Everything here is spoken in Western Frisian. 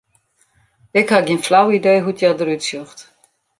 Ik ha gjin flau idee hoe't hja derút sjocht.